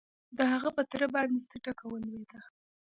د هغه په تره باندې څه ټکه ولوېده؟